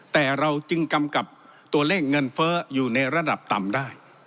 แต่เราจึงกำกับตัวเลขเงินเฟ้ออยู่ในระดับต่ำได้